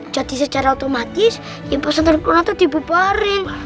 jadi secara otomatis ya pas santan kunanta dibubarin